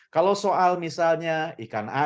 kalau soal misalnya ikan asin cabai garam dan lainnya